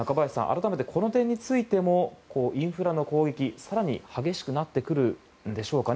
改めてこの点についてもインフラの攻撃、更に激しくなってくるんでしょうか。